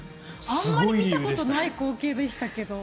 あんまり見たことない光景でしたけど。